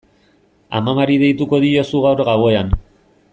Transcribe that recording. Amamari deituko diozu gaur gauean.